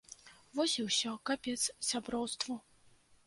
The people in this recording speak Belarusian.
Вось і ўсё, капец сяброўству.